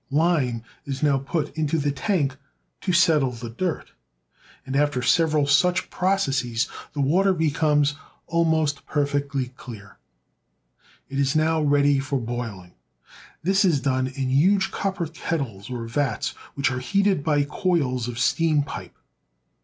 Lime is how put into the tank to settle the dirt, and after several such processes the water becomes almost perfectly clear. It is now ready for boiling. This is done in huge cop per kettles or vats, which are heated by coils of steam pipe.